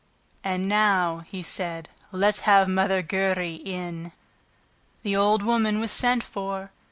"And now," he said, "let's have Mother Giry in." The old woman was sent for.